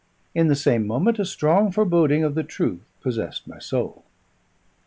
In the same moment a strong foreboding of the truth possessed my soul.